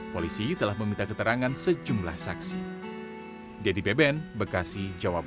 polisi telah meminta keterangan sejumlah saksi